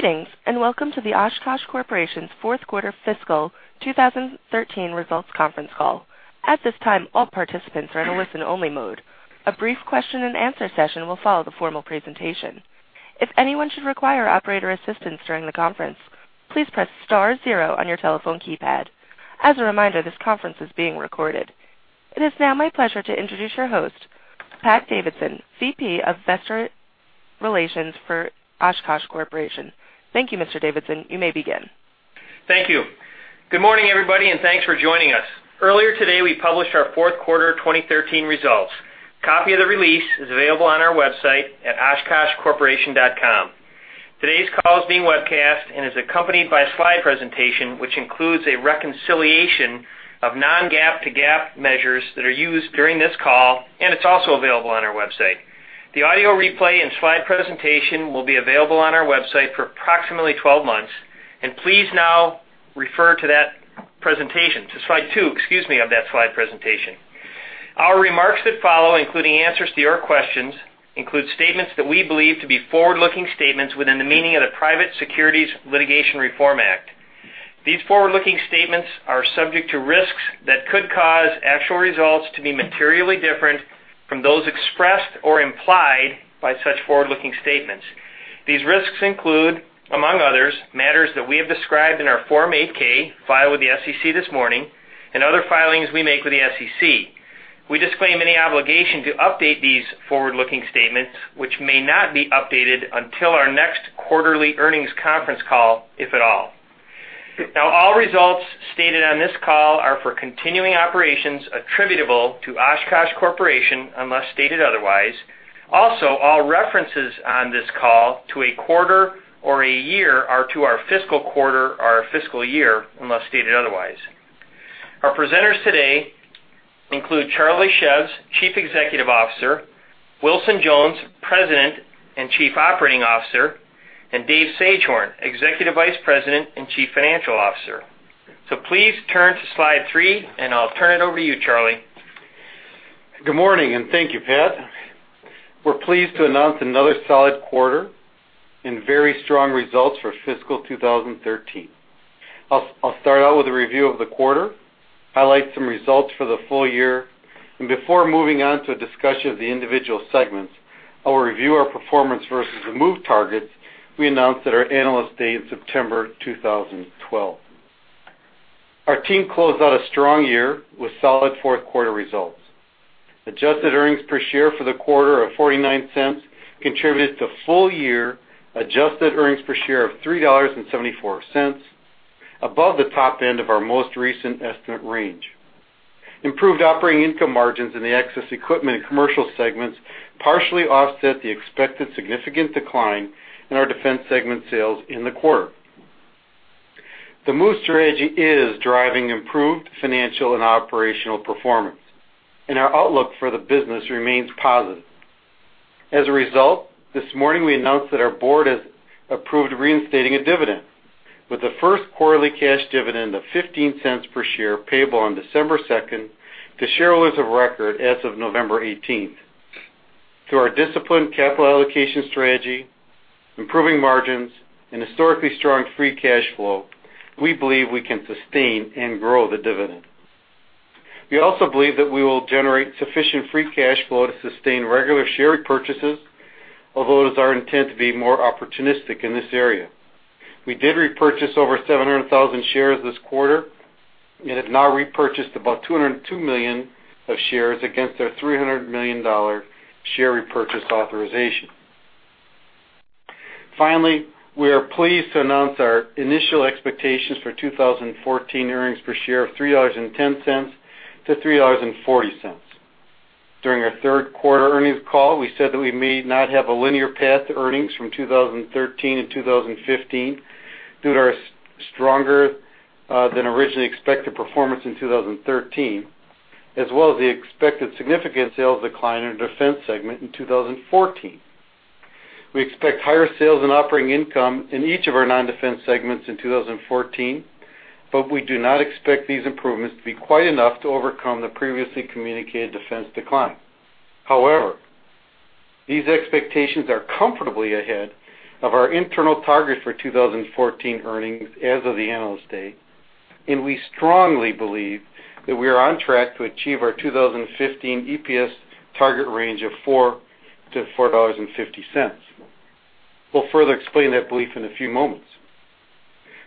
Greetings, and welcome to the Oshkosh Corporation's Fourth Quarter Fiscal 2013 Results Conference Call. At this time, all participants are in a listen-only mode. A brief question-and-answer session will follow the formal presentation. If anyone should require operator assistance during the conference, please press star zero on your telephone keypad. As a reminder, this conference is being recorded. It is now my pleasure to introduce your host, Pat Davidson, VP of Investor Relations for Oshkosh Corporation. Thank you, Mr. Davidson. You may begin. Thank you. Good morning, everybody, and thanks for joining us. Earlier today, we published our fourth quarter 2013 results. A copy of the release is available on our website at oshkoshcorporation.com. Today's call is being webcast and is accompanied by a slide presentation, which includes a reconciliation of non-GAAP to GAAP measures that are used during this call, and it's also available on our website. The audio replay and slide presentation will be available on our website for approximately 12 months, and please now refer to that presentation, to slide two, excuse me, of that slide presentation. Our remarks that follow, including answers to your questions, include statements that we believe to be forward-looking statements within the meaning of the Private Securities Litigation Reform Act. These forward-looking statements are subject to risks that could cause actual results to be materially different from those expressed or implied by such forward-looking statements. These risks include, among others, matters that we have described in our Form 8-K filed with the SEC this morning and other filings we make with the SEC. We disclaim any obligation to update these forward-looking statements, which may not be updated until our next quarterly earnings conference call, if at all. Now, all results stated on this call are for continuing operations attributable to Oshkosh Corporation, unless stated otherwise. Also, all references on this call to a quarter or a year are to our fiscal quarter or our fiscal year, unless stated otherwise. Our presenters today include Charlie Szews, Chief Executive Officer, Wilson Jones, President and Chief Operating Officer, and David Sagehorn, Executive Vice President and Chief Financial Officer. Please turn to slide three, and I'll turn it over to you, Charlie. Good morning, and thank you, Pat. We're pleased to announce another solid quarter and very strong results for fiscal 2013. I'll start out with a review of the quarter, highlight some results for the full year, and before moving on to a discussion of the individual segments, I will review our performance versus the MOVE targets we announced at our Analyst Day in September 2012. Our team closed out a strong year with solid fourth quarter results. Adjusted earnings per share for the quarter of $0.49 contributed to full-year adjusted earnings per share of $3.74, above the top end of our most recent estimate range. Improved operating income margins in the Access equipment and commercial segments partially offset the expected significant decline in our defense segment sales in the quarter. The MOVE Strategy is driving improved financial and operational performance, and our outlook for the business remains positive. As a result, this morning we announced that our board has approved reinstating a dividend, with the first quarterly cash dividend of $0.15 per share payable on December second to shareholders of record as of November eighteenth. Through our disciplined capital allocation strategy, improving margins, and historically strong free cash flow, we believe we can sustain and grow the dividend. We also believe that we will generate sufficient free cash flow to sustain regular share repurchases, although it is our intent to be more opportunistic in this area. We did repurchase over 700,000 shares this quarter and have now repurchased about 202 million shares against our $300 million share repurchase authorization. Finally, we are pleased to announce our initial expectations for 2014 earnings per share of $3.10-$3.40. During our third quarter earnings call, we said that we may not have a linear path to earnings from 2013-2015 due to our stronger than originally expected performance in 2013, as well as the expected significant sales decline in our defense segment in 2014. We expect higher sales and operating income in each of our non-defense segments in 2014, but we do not expect these improvements to be quite enough to overcome the previously communicated defense decline. However, these expectations are comfortably ahead of our internal targets for 2014 earnings as of the Analyst Day, and we strongly believe that we are on track to achieve our 2015 EPS target range of $4.00-$4.50. We'll further explain that belief in a few moments.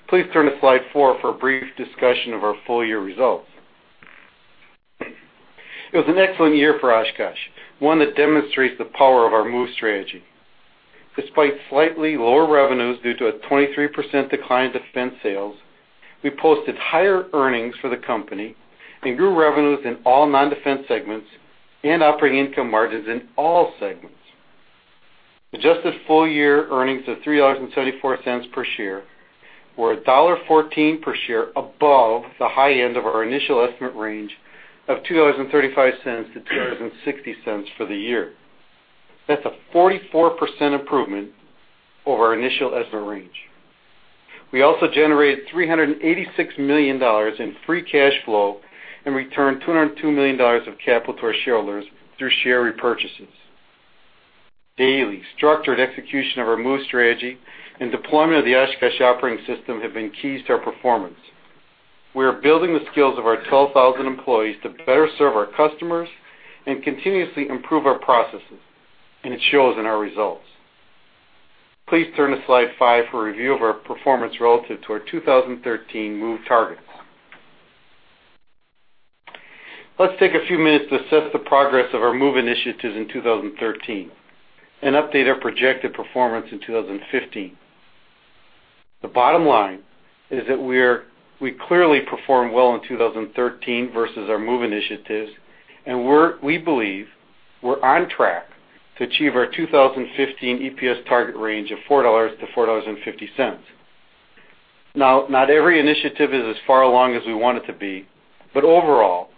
Please turn to slide four for a brief discussion of our full-year results. It was an excellent year for Oshkosh, one that demonstrates the power of our MOVE Strategy. Despite slightly lower revenues due to a 23% decline in defense sales, we posted higher earnings for the company and grew revenues in all non-defense segments and operating income margins in all segments. Adjusted full-year earnings of $3.74 per share were $1.14 per share above the high end of our initial estimate range of $2.35-$2.60 for the year. That's a 44% improvement over our initial estimate range. We also generated $386 million in free cash flow and returned $202 million of capital to our shareholders through share repurchases. Daily, structured execution of our MOVE strategy and deployment of the Oshkosh Operating System have been keys to our performance. We are building the skills of our 12,000 employees to better serve our customers and continuously improve our processes, and it shows in our results. Please turn to slide five for a review of our performance relative to our 2013 MOVE targets. Let's take a few minutes to assess the progress of our MOVE initiatives in 2013 and update our projected performance in 2015. The bottom line is that we are, we clearly performed well in 2013 versus our MOVE initiatives, and we're, we believe we're on track to achieve our 2015 EPS target range of $4-$4.50. Now, not every initiative is as far along as we want it to be, but overall,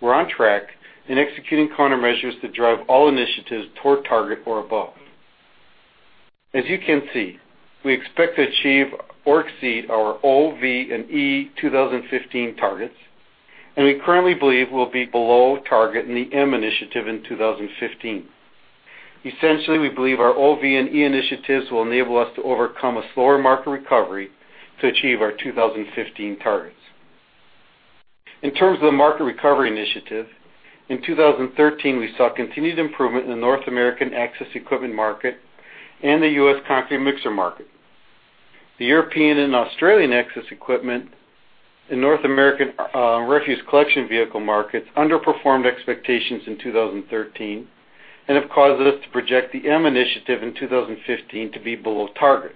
we're on track and executing countermeasures to drive all initiatives toward target or above. As you can see, we expect to achieve or exceed our O, V, and E 2015 targets, and we currently believe we'll be below target in the M initiative in 2015. Essentially, we believe our O, V, and E initiatives will enable us to overcome a slower market recovery to achieve our 2015 targets. In terms of the market recovery initiative, in 2013, we saw continued improvement in the North American Access equipment market and the U.S. concrete mixer market. The European and Australian Access equipment in North American, refuse collection vehicle markets underperformed expectations in 2013 and have caused us to project the M initiative in 2015 to be below target.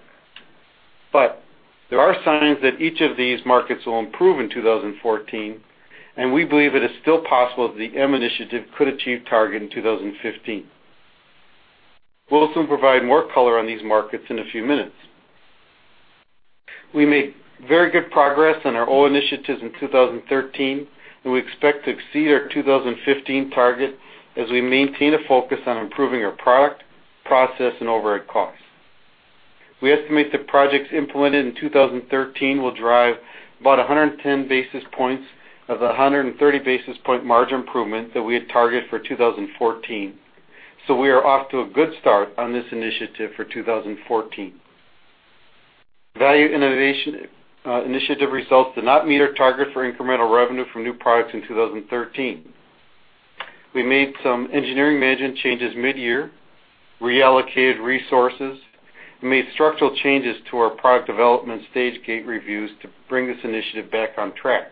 But there are signs that each of these markets will improve in 2014, and we believe it is still possible that the M initiative could achieve target in 2015. We'll also provide more color on these markets in a few minutes. We made very good progress on our O initiatives in 2013, and we expect to exceed our 2015 target as we maintain a focus on improving our product, process, and overhead costs. We estimate the projects implemented in 2013 will drive about 110 basis points of the 130 basis point margin improvement that we had targeted for 2014. So we are off to a good start on this initiative for 2014. Value innovation initiative results did not meet our targets for incremental revenue from new products in 2013. We made some engineering management changes midyear, reallocated resources, and made structural changes to our product development Stage Gate Reviews to bring this initiative back on track.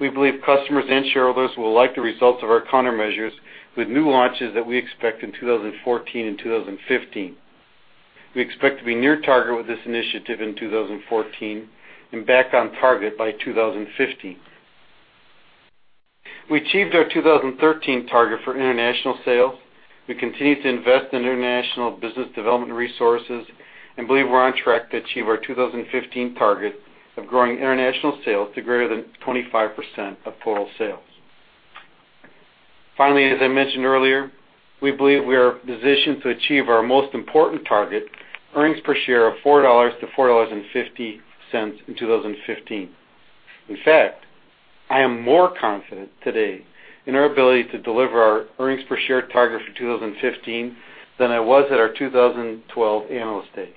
We believe customers and shareholders will like the results of our countermeasures with new launches that we expect in 2014 and 2015. We expect to be near target with this initiative in 2014 and back on target by 2015. We achieved our 2013 target for international sales. We continue to invest in international business development resources and believe we're on track to achieve our 2015 target of growing international sales to greater than 25% of total sales. Finally, as I mentioned earlier, we believe we are positioned to achieve our most important target, earnings per share of $4-$4.50 in 2015. In fact, I am more confident today in our ability to deliver our earnings per share target for 2015 than I was at our 2012 Analyst Day.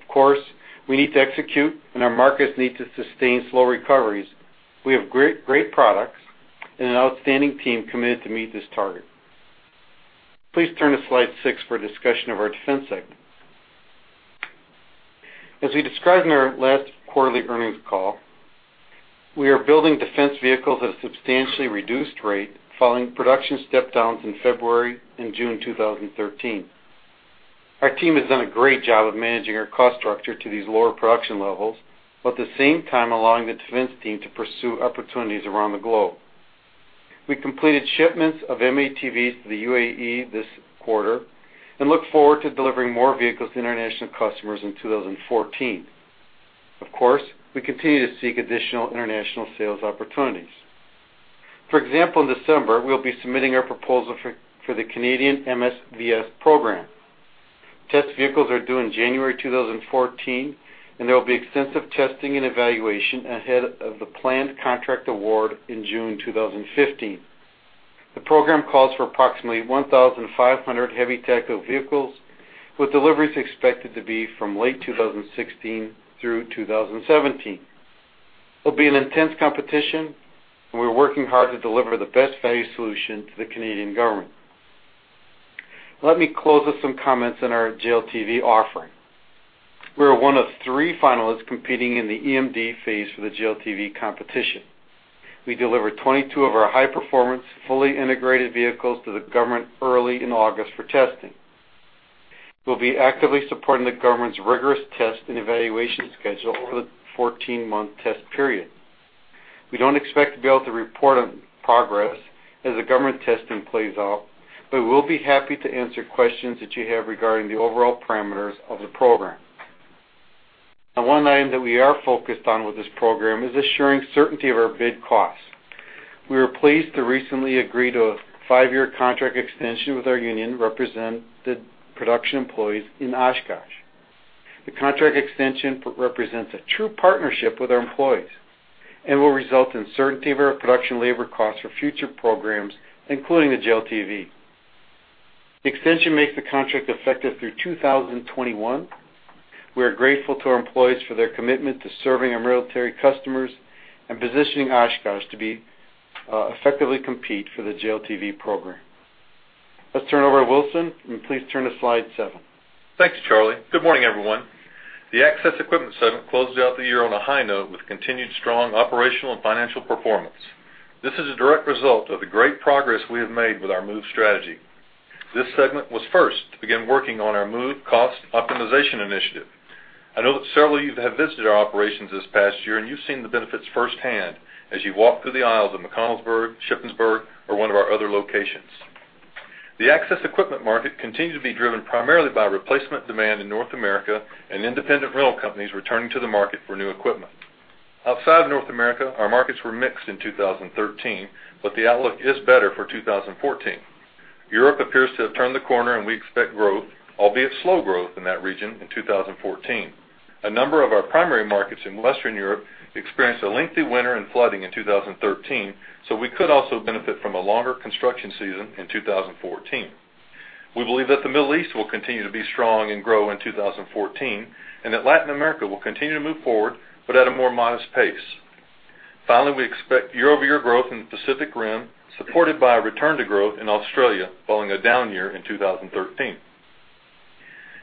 Of course, we need to execute, and our markets need to sustain slow recoveries. We have great, great products and an outstanding team committed to meet this target. Please turn to slide six for a discussion of our defense segment. As we described in our last quarterly earnings call, we are building defense vehicles at a substantially reduced rate following production step-downs in February and June 2013. Our team has done a great job of managing our cost structure to these lower production levels, while at the same time allowing the defense team to pursue opportunities around the globe. We completed shipments of M-ATVs to the UAE this quarter and look forward to delivering more vehicles to international customers in 2014. Of course, we continue to seek additional international sales opportunities. For example, in December, we'll be submitting our proposal for the Canadian MSVS program. Test vehicles are due in January 2014, and there will be extensive testing and evaluation ahead of the planned contract award in June 2015. The program calls for approximately 1,500 heavy tactical vehicles, with deliveries expected to be from late 2016 through 2017. It'll be an intense competition, and we're working hard to deliver the best value solution to the Canadian government. Let me close with some comments on our JLTV offering. We are one of three finalists competing in the EMD phase for the JLTV competition. We delivered 22 of our high-performance, fully integrated vehicles to the government early in August for testing. We'll be actively supporting the government's rigorous test and evaluation schedule over the 14-month test period. We don't expect to be able to report on progress as the government testing plays out, but we'll be happy to answer questions that you have regarding the overall parameters of the program. Now, one item that we are focused on with this program is assuring certainty of our bid costs.... We were pleased to recently agree to a five-year contract extension with our union, representing the production employees in Oshkosh. The contract extension represents a true partnership with our employees and will result in certainty of our production labor costs for future programs, including the JLTV. The extension makes the contract effective through 2021. We are grateful to our employees for their commitment to serving our military customers and positioning Oshkosh to be effectively compete for the JLTV program. Let's turn over to Wilson, and please turn to slide seven. Thanks, Charlie. Good morning, everyone. The Access equipment segment closed out the year on a high note with continued strong operational and financial performance. This is a direct result of the great progress we have made with our MOVE Strategy. This segment was first to begin working on our MOVE cost optimization initiative. I know that several of you have visited our operations this past year, and you've seen the benefits firsthand as you walked through the aisles of McConnellsburg, Shippensburg, or one of our other locations. The Access equipment market continued to be driven primarily by replacement demand in North America and independent rental companies returning to the market for new equipment. Outside of North America, our markets were mixed in 2013, but the outlook is better for 2014. Europe appears to have turned the corner, and we expect growth, albeit slow growth, in that region in 2014. A number of our primary markets in Western Europe experienced a lengthy winter and flooding in 2013, so we could also benefit from a longer construction season in 2014. We believe that the Middle East will continue to be strong and grow in 2014, and that Latin America will continue to move forward, but at a more modest pace. Finally, we expect year-over-year growth in the Pacific Rim, supported by a return to growth in Australia, following a down year in 2013.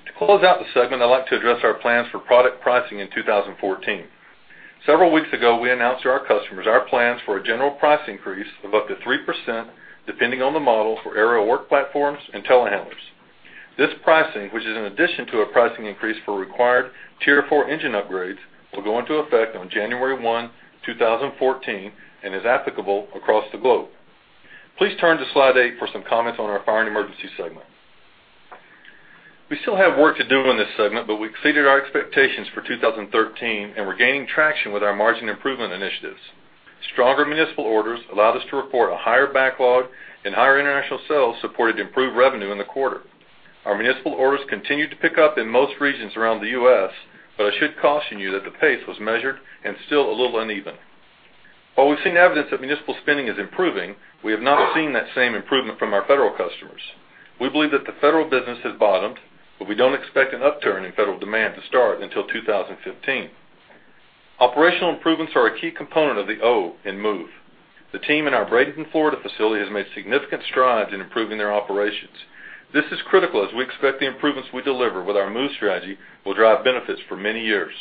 To close out the segment, I'd like to address our plans for product pricing in 2014. Several weeks ago, we announced to our customers our plans for a general price increase of up to 3%, depending on the model for aerial work platforms and telehandlers. This pricing, which is in addition to a pricing increase for required Tier 4 engine upgrades, will go into effect on January 1, 2014, and is applicable across the globe. Please turn to slide eight for some comments on our fire and emergency segment. We still have work to do in this segment, but we exceeded our expectations for 2013, and we're gaining traction with our margin improvement initiatives. Stronger municipal orders allowed us to report a higher backlog, and higher international sales supported improved revenue in the quarter. Our municipal orders continued to pick up in most regions around the U.S., but I should caution you that the pace was measured and still a little uneven. While we've seen evidence that municipal spending is improving, we have not seen that same improvement from our federal customers. We believe that the federal business has bottomed, but we don't expect an upturn in federal demand to start until 2015. Operational improvements are a key component of the O in MOVE. The team in our Bradenton, Florida, facility has made significant strides in improving their operations. This is critical as we expect the improvements we deliver with our MOVE strategy will drive benefits for many years.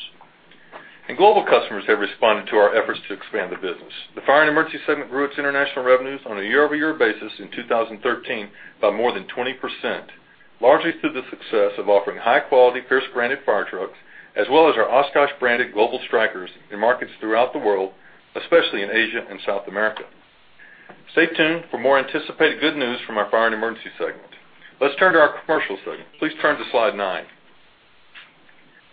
Global customers have responded to our efforts to expand the business. The fire and emergency segment grew its international revenues on a year-over-year basis in 2013 by more than 20%, largely through the success of offering high-quality Pierce-branded fire trucks, as well as our Oshkosh-branded global Strikers in markets throughout the world, especially in Asia and South America. Stay tuned for more anticipated good news from our fire and emergency segment. Let's turn to our commercial segment. Please turn to slide nine.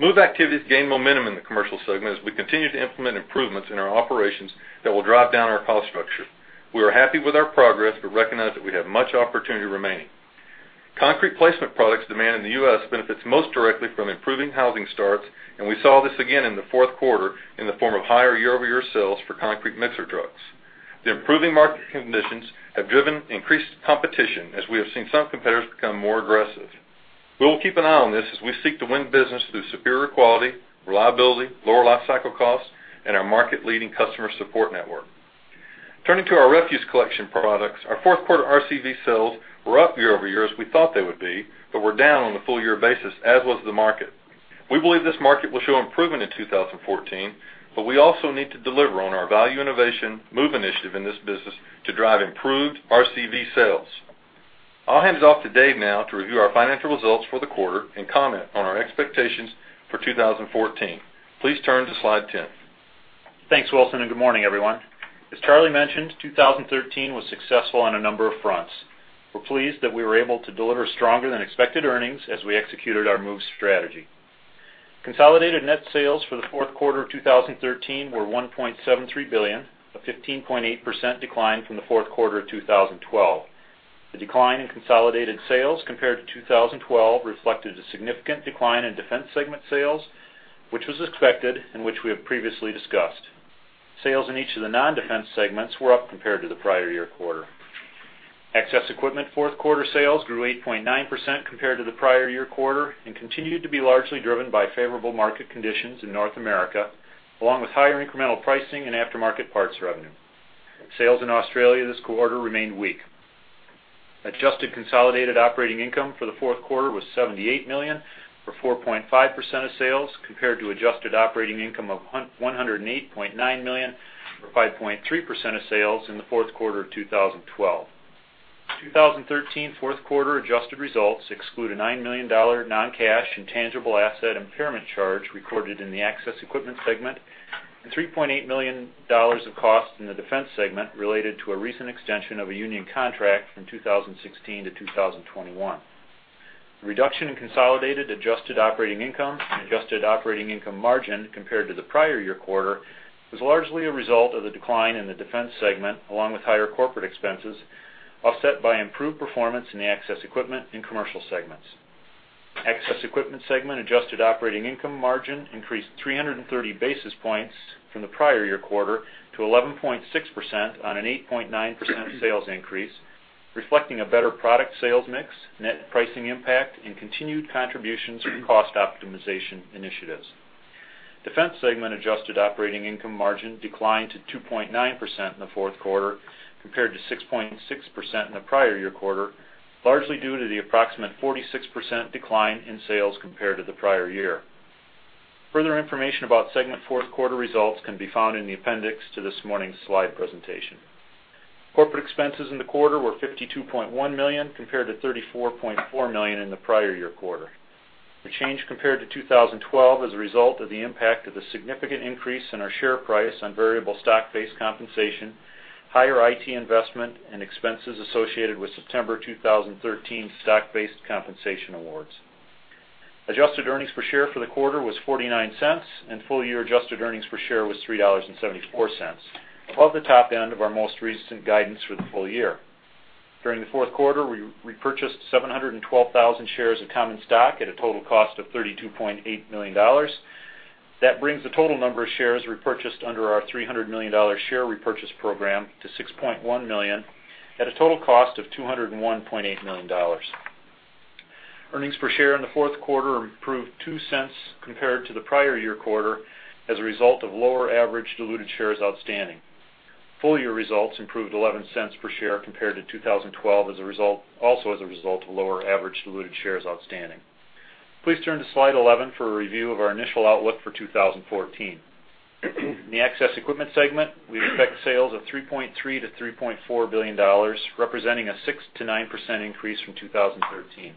MOVE activities gained momentum in the commercial segment as we continue to implement improvements in our operations that will drive down our cost structure. We are happy with our progress, but recognize that we have much opportunity remaining. Concrete placement products demand in the U.S. benefits most directly from improving housing starts, and we saw this again in the fourth quarter in the form of higher year-over-year sales for concrete mixer trucks. The improving market conditions have driven increased competition, as we have seen some competitors become more aggressive. We will keep an eye on this as we seek to win business through superior quality, reliability, lower lifecycle costs, and our market-leading customer support network. Turning to our refuse collection products, our fourth quarter RCV sales were up year-over-year as we thought they would be, but were down on a full year basis, as was the market. We believe this market will show improvement in 2014, but we also need to deliver on our value innovation MOVE initiative in this business to drive improved RCV sales. I'll hand it off to Dave now to review our financial results for the quarter and comment on our expectations for 2014. Please turn to slide 10. Thanks, Wilson, and good morning, everyone. As Charlie mentioned, 2013 was successful on a number of fronts. We're pleased that we were able to deliver stronger-than-expected earnings as we executed our MOVE Strategy. Consolidated net sales for the fourth quarter of 2013 were $1.73 billion, a 15.8% decline from the fourth quarter of 2012. The decline in consolidated sales compared to 2012 reflected a significant decline in defense segment sales, which was expected and which we have previously discussed. Sales in each of the non-defense segments were up compared to the prior year quarter. Access Equipment fourth quarter sales grew 8.9% compared to the prior year quarter and continued to be largely driven by favorable market conditions in North America, along with higher incremental pricing and aftermarket parts revenue. Sales in Australia this quarter remained weak. Adjusted consolidated operating income for the fourth quarter was $78 million, or 4.5% of sales, compared to adjusted operating income of $108.9 million, or 5.3% of sales, in the fourth quarter of 2012. 2013 fourth quarter adjusted results exclude a $9 million non-cash and tangible asset impairment charge recorded in the Access equipment segment and $3.8 million of costs in the defense segment related to a recent extension of a union contract from 2016 to 2021.... Reduction in consolidated adjusted operating income and adjusted operating income margin compared to the prior year quarter was largely a result of the decline in the Defense segment, along with higher corporate expenses, offset by improved performance in the Access Equipment and Commercial segments. Access Equipment segment adjusted operating income margin increased 330 basis points from the prior year quarter to 11.6% on an 8.9% sales increase, reflecting a better product sales mix, net pricing impact, and continued contributions from cost optimization initiatives. Defense segment adjusted operating income margin declined to 2.9% in the fourth quarter, compared to 6.6% in the prior year quarter, largely due to the approximate 46% decline in sales compared to the prior year. Further information about segment fourth quarter results can be found in the appendix to this morning's slide presentation. Corporate expenses in the quarter were $52.1 million, compared to $34.4 million in the prior year quarter. The change compared to 2012 is a result of the impact of the significant increase in our share price on variable stock-based compensation, higher IT investment, and expenses associated with September 2013 stock-based compensation awards. Adjusted earnings per share for the quarter was $0.49, and full-year adjusted earnings per share was $3.74, above the top end of our most recent guidance for the full year. During the fourth quarter, we repurchased 712,000 shares of common stock at a total cost of $32.8 million. That brings the total number of shares repurchased under our $300 million share repurchase program to 6.1 million, at a total cost of $201.8 million. Earnings per share in the fourth quarter improved $0.02 compared to the prior year quarter as a result of lower average diluted shares outstanding. Full-year results improved $0.11 per share compared to 2012, as a result, also as a result of lower average diluted shares outstanding. Please turn to Slide 11 for a review of our initial outlook for 2014. In the Access Equipment segment, we expect sales of $3.3 billion-$3.4 billion, representing a 6%-9% increase from 2013.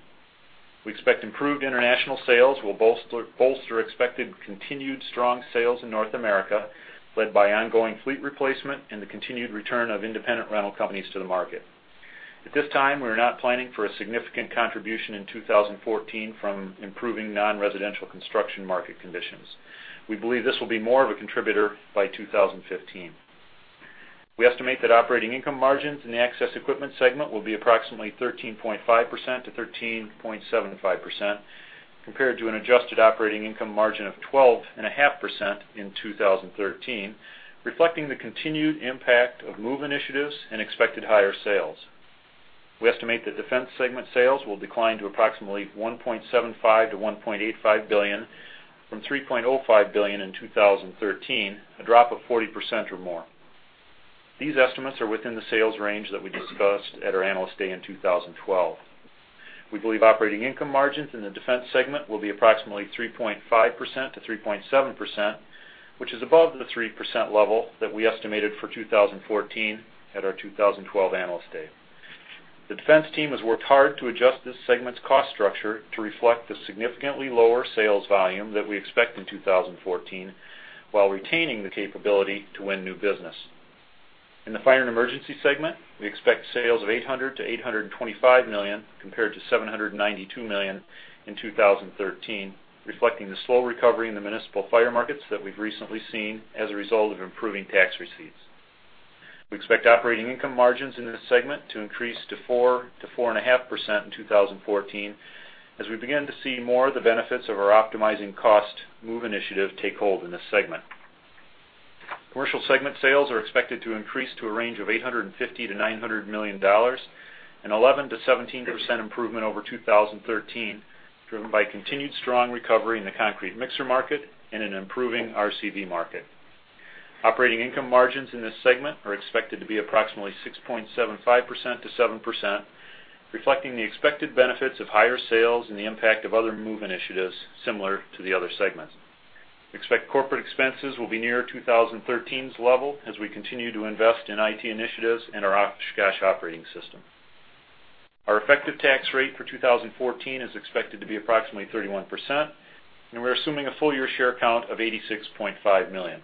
We expect improved international sales will bolster expected continued strong sales in North America, led by ongoing fleet replacement and the continued return of independent rental companies to the market. At this time, we are not planning for a significant contribution in 2014 from improving non-residential construction market conditions. We believe this will be more of a contributor by 2015. We estimate that operating income margins in the Access Equipment segment will be approximately 13.5%-13.75%, compared to an adjusted operating income margin of 12.5% in 2013, reflecting the continued impact of MOVE initiatives and expected higher sales. We estimate the Defense segment sales will decline to approximately $1.75 billion-$1.85 billion, from $3.05 billion in 2013, a drop of 40% or more. These estimates are within the sales range that we discussed at our Analyst Day in 2012. We believe operating income margins in the Defense segment will be approximately 3.5%-3.7%, which is above the 3% level that we estimated for 2014 at our 2012 Analyst Day. The Defense team has worked hard to adjust this segment's cost structure to reflect the significantly lower sales volume that we expect in 2014, while retaining the capability to win new business. In the Fire and Emergency segment, we expect sales of $800 million-$825 million, compared to $792 million in 2013, reflecting the slow recovery in the municipal fire markets that we've recently seen as a result of improving tax receipts. We expect operating income margins in this segment to increase to 4%-4.5% in 2014, as we begin to see more of the benefits of our optimizing cost MOVE initiative take hold in this segment. Commercial segment sales are expected to increase to a range of $850 million-$900 million, an 11%-17% improvement over 2013, driven by continued strong recovery in the concrete mixer market and an improving RCV market. Operating income margins in this segment are expected to be approximately 6.75%-7%, reflecting the expected benefits of higher sales and the impact of other MOVE initiatives similar to the other segments. Expect corporate expenses will be near 2013's level as we continue to invest in IT initiatives and our Oshkosh Operating System. Our effective tax rate for 2014 is expected to be approximately 31%, and we're assuming a full-year share count of 86.5 million.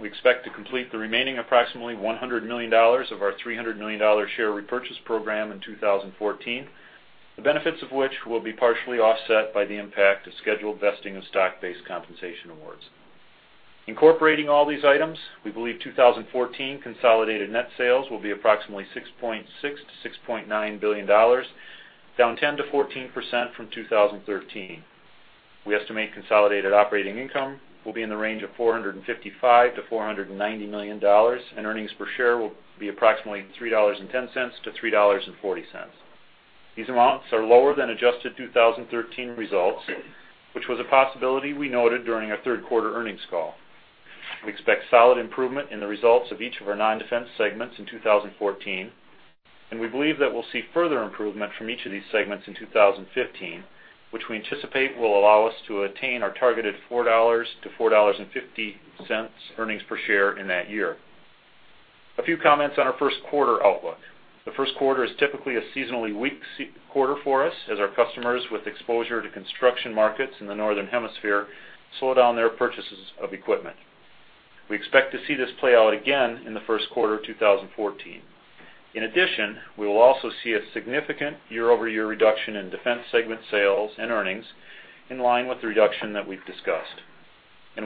We expect to complete the remaining approximately $100 million of our $300 million share repurchase program in 2014, the benefits of which will be partially offset by the impact of scheduled vesting of stock-based compensation awards. Incorporating all these items, we believe 2014 consolidated net sales will be approximately $6.6 billion-$6.9 billion, down 10%-14% from 2013. We estimate consolidated operating income will be in the range of $455 million-$490 million, and earnings per share will be approximately $3.10-$3.40. These amounts are lower than adjusted 2013 results, which was a possibility we noted during our third quarter earnings call. We expect solid improvement in the results of each of our non-Defense segments in 2014, and we believe that we'll see further improvement from each of these segments in 2015, which we anticipate will allow us to attain our targeted $4-$4.50 earnings per share in that year. A few comments on our first quarter outlook. The first quarter is typically a seasonally weak quarter for us, as our customers with exposure to construction markets in the Northern Hemisphere slow down their purchases of equipment. We expect to see this play out again in the first quarter of 2014. In addition, we will also see a significant year-over-year reduction in defense segment sales and earnings, in line with the reduction that we've discussed.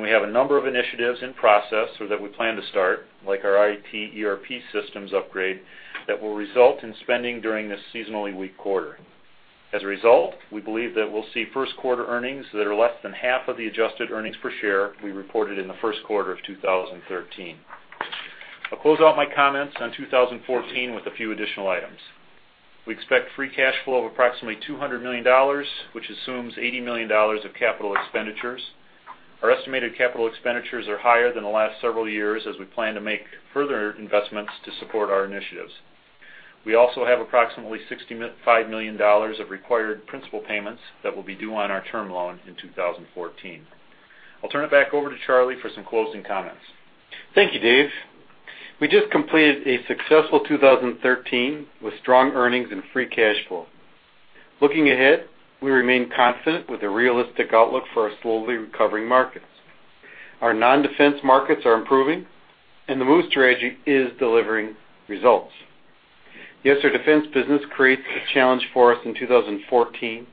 We have a number of initiatives in process, so that we plan to start, like our IT, ERP systems upgrade, that will result in spending during this seasonally weak quarter. As a result, we believe that we'll see first quarter earnings that are less than half of the Adjusted Earnings Per Share we reported in the first quarter of 2013. I'll close out my comments on 2014 with a few additional items. We expect Free Cash Flow of approximately $200 million, which assumes $80 million of capital expenditures. Our estimated capital expenditures are higher than the last several years as we plan to make further investments to support our initiatives. We also have approximately $65 million of required principal payments that will be due on our term loan in 2014. I'll turn it back over to Charlie for some closing comments. Thank you, Dave. We just completed a successful 2013, with strong earnings and free cash flow. Looking ahead, we remain confident with a realistic outlook for our slowly recovering markets. Our non-defense markets are improving, and the MOVE Strategy is delivering results. Yes, our defense business creates a challenge for us in 2014,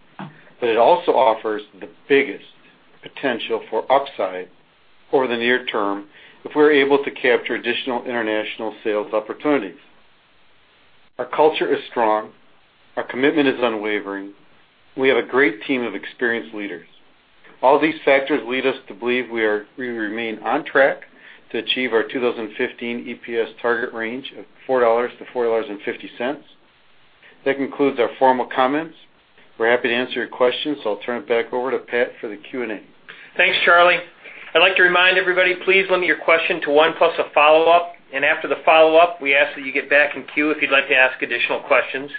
but it also offers the biggest potential for upside over the near term if we're able to capture additional international sales opportunities. Our culture is strong, our commitment is unwavering, we have a great team of experienced leaders. All these factors lead us to believe we remain on track to achieve our 2015 EPS target range of $4-$4.50. That concludes our formal comments. We're happy to answer your questions, so I'll turn it back over to Pat for the Q&A. Thanks, Charlie. I'd like to remind everybody, please limit your question to one-plus a follow-up, and after the follow-up, we ask that you get back in queue if you'd like to ask additional questions.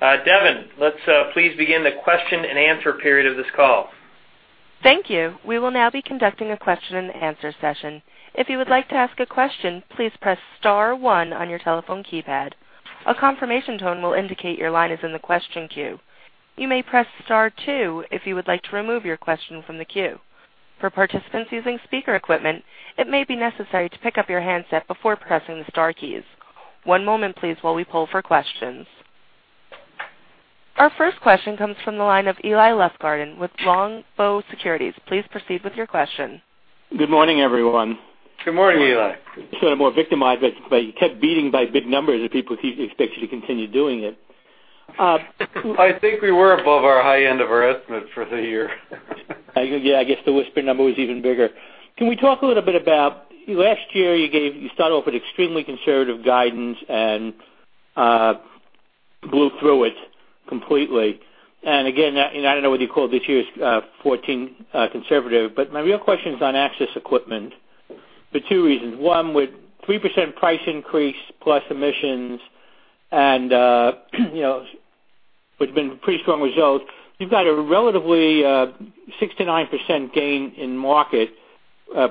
Devin, let's please begin the question and answer period of this call. Thank you. We will now be conducting a question and answer session. If you would like to ask a question, please press star one on your telephone keypad. A confirmation tone will indicate your line is in the question queue. You may press star two if you would like to remove your question from the queue. For participants using speaker equipment, it may be necessary to pick up your handset before pressing the star keys. One moment, please, while we pull for questions. Our first question comes from the line of Eli Lustgarten with Longbow Research. Please proceed with your question. Good morning, everyone. Good morning, Eli. So I'm more victimized, but you kept beating by big numbers, and people keep expecting you to continue doing it. I think we were above our high end of our estimate for the year. Yeah, I guess the whisper number was even bigger. Can we talk a little bit about last year? You started off with extremely conservative guidance and blew through it completely. And again, I don't know what you call this year's fourteen conservative, but my real question is on Access equipment for two reasons. One, with 3% price increase, plus emissions, and you know, which have been pretty strong results, you've got a relatively six to nine percent gain in market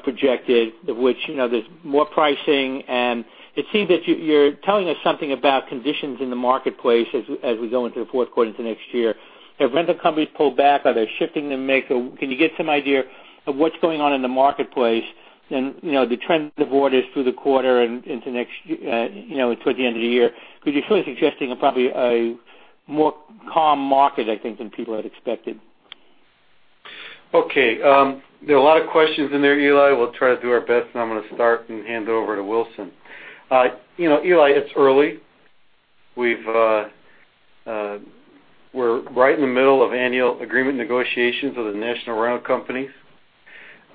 projected, which, you know, there's more pricing. And it seems that you, you're telling us something about conditions in the marketplace as we go into the fourth quarter into next year. Have rental companies pulled back? Are they shifting the mix? Or can you get some idea of what's going on in the marketplace? You know, the trend of orders through the quarter and into next year, you know, towards the end of the year, because you're sort of suggesting probably a more calm market, I think, than people had expected. Okay, there are a lot of questions in there, Eli. We'll try to do our best, and I'm going to start and hand it over to Wilson. You know, Eli, it's early. We're right in the middle of annual agreement negotiations with the national rental companies.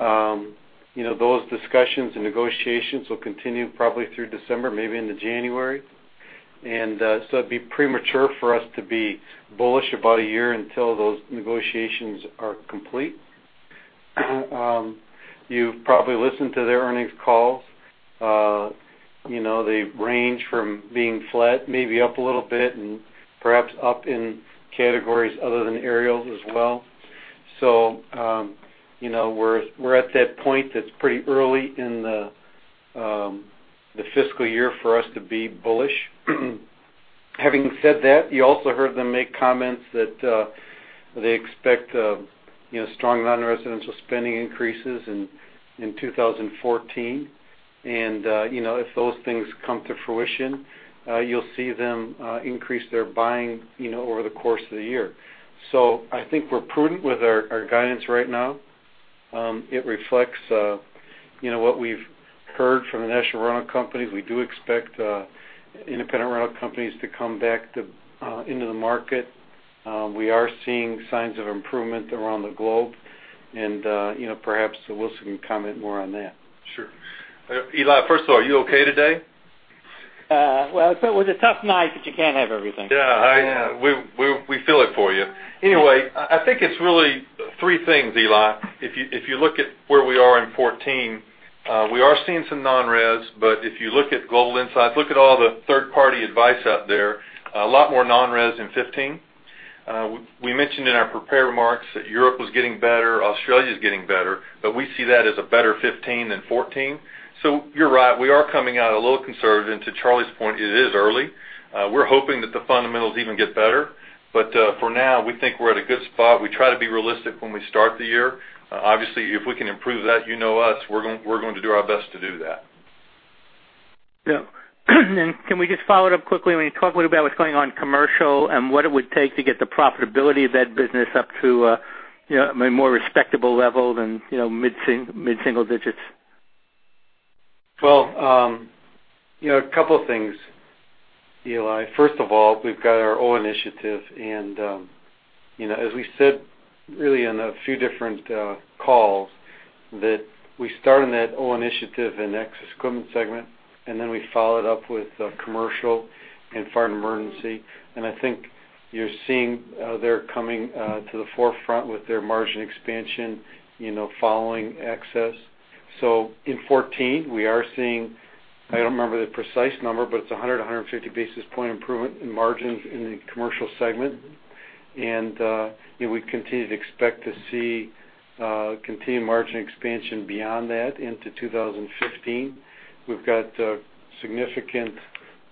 You know, those discussions and negotiations will continue probably through December, maybe into January. And, so it'd be premature for us to be bullish about a year until those negotiations are complete. You've probably listened to their earnings calls. You know, they range from being flat, maybe up a little bit, and perhaps up in categories other than aerial as well. So, you know, we're at that point, that's pretty early in the fiscal year for us to be bullish. Having said that, you also heard them make comments that they expect, you know, strong non-residential spending increases in 2014. And, you know, if those things come to fruition, you'll see them increase their buying, you know, over the course of the year. So I think we're prudent with our guidance right now. It reflects, you know, what we've heard from the national rental companies. We do expect independent rental companies to come back to into the market. We are seeing signs of improvement around the globe, and, you know, perhaps Wilson can comment more on that. Sure. Eli, first of all, are you okay today? Well, it was a tough night, but you can't have everything. Yeah, we feel it for you. Anyway, I think it's really three things, Eli. If you look at where we are in 2014, we are seeing some non-res, but if you look at Global Insight, look at all the third-party advice out there, a lot more non-res in 2015. We mentioned in our prepared remarks that Europe was getting better, Australia is getting better, but we see that as a better 2015 than 2014. So you're right, we are coming out a little conservative. To Charlie's point, it is early. We're hoping that the fundamentals even get better.... But, for now, we think we're at a good spot. We try to be realistic when we start the year. Obviously, if we can improve that, you know us, we're going, we're going to do our best to do that. Yeah. And can we just follow it up quickly when you talk a little about what's going on commercial and what it would take to get the profitability of that business up to a, you know, a more respectable level than, you know, mid-single digits? Well, you know, a couple of things, Eli. First of all, we've got our O initiative, and, you know, as we said, really in a few different, calls, that we started that O initiative in Access equipment segment, and then we followed up with, commercial and fire and emergency. And I think you're seeing, they're coming, to the forefront with their margin expansion, you know, following Access. So in 2014, we are seeing, I don't remember the precise number, but it's 150 basis point improvement in margins in the commercial segment. And, we continue to expect to see, continued margin expansion beyond that into 2015. We've got, significant,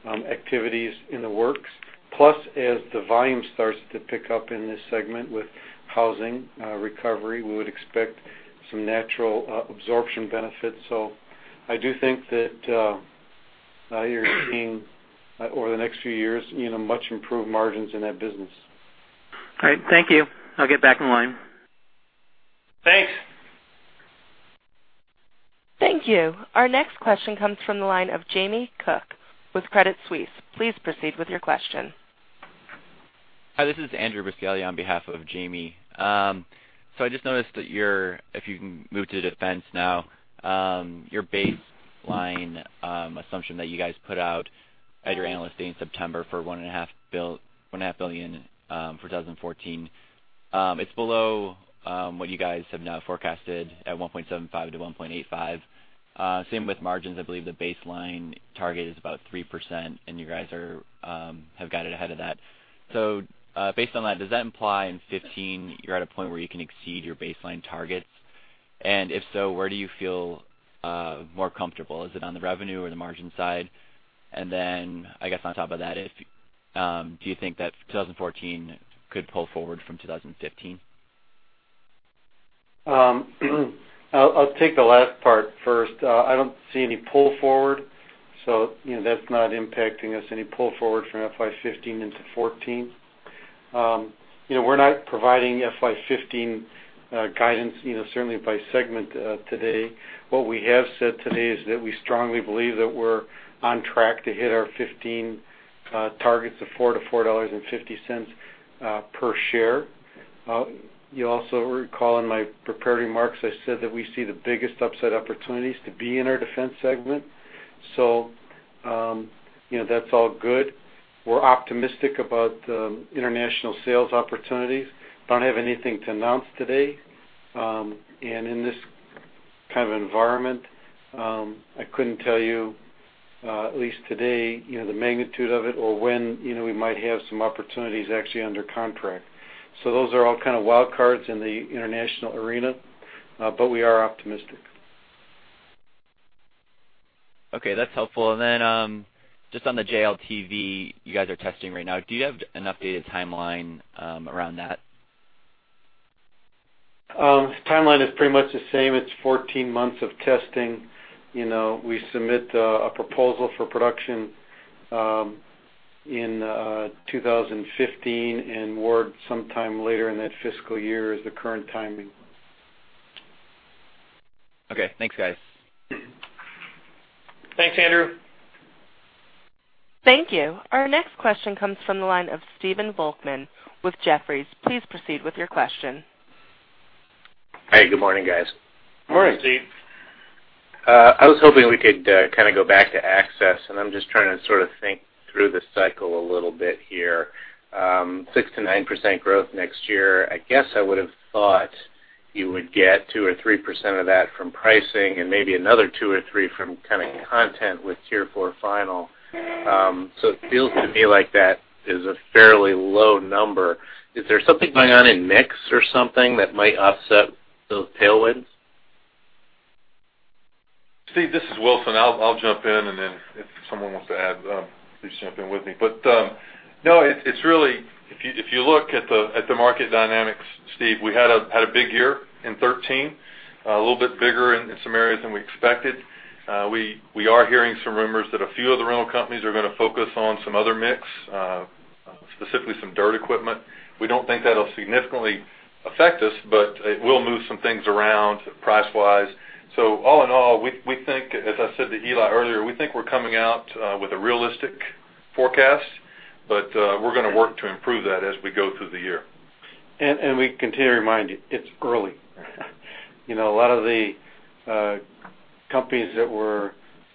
activities in the works. Plus, as the volume starts to pick up in this segment with housing recovery, we would expect some natural absorption benefits. So I do think that now you're seeing over the next few years, you know, much improved margins in that business. All right. Thank you. I'll get back in line. Thanks. Thank you. Our next question comes from the line of Jamie Cook with Credit Suisse. Please proceed with your question. Hi, this is Andrew Buscaglia on behalf of Jamie. So I just noticed that your baseline assumption that you guys put out at your Analyst Day in September for $1.5 billion for 2014 is below what you guys have now forecasted at $1.75 billion-$1.85 billion. Same with margins. I believe the baseline target is about 3%, and you guys have guided ahead of that. So based on that, does that imply in 2015, you're at a point where you can exceed your baseline targets? And if so, where do you feel more comfortable? Is it on the revenue or the margin side? Then, I guess on top of that, if do you think that 2014 could pull forward from 2015? I'll take the last part first. I don't see any pull forward, so, you know, that's not impacting us, any pull forward from FY 2015 into 2014. You know, we're not providing FY 2015 guidance, you know, certainly by segment, today. What we have said today is that we strongly believe that we're on track to hit our 2015 targets of $4.00-$4.50 per share. You also recall in my prepared remarks, I said that we see the biggest upside opportunities to be in our defense segment. You know, that's all good. We're optimistic about international sales opportunities. Don't have anything to announce today. And in this kind of environment, I couldn't tell you, at least today, you know, the magnitude of it or when, you know, we might have some opportunities actually under contract. So those are all kind of wild cards in the international arena, but we are optimistic. Okay, that's helpful. And then, just on the JLTV, you guys are testing right now. Do you have an updated timeline around that? Timeline is pretty much the same. It's 14 months of testing. You know, we submit a proposal for production in 2015, and award sometime later in that fiscal year is the current timing. Okay. Thanks, guys. Mm-hmm. Thanks, Andrew. Thank you. Our next question comes from the line of Stephen Volkmann with Jefferies. Please proceed with your question. Hey, good morning, guys. Good morning, Steve. I was hoping we could kind of go back to Access, and I'm just trying to sort of think through the cycle a little bit here. 6%-9% growth next year. I guess I would've thought you would get 2%-3% of that from pricing and maybe another 2%-3% from kind of content with Tier 4 Final. So it feels to me like that is a fairly low number. Is there something going on in mix or something that might offset those tailwinds? Steve, this is Wilson. I'll jump in, and then if someone wants to add, please jump in with me. But no, it's really... If you look at the market dynamics, Steve, we had a big year in 2013, a little bit bigger in some areas than we expected. We are hearing some rumors that a few of the rental companies are gonna focus on some other mix, specifically some dirt equipment. We don't think that'll significantly affect us, but it will move some things around price-wise. So all in all, we think, as I said to Eli earlier, we think we're coming out with a realistic forecast, but we're gonna work to improve that as we go through the year. We continue to remind you, it's early. You know, a lot of the companies that we're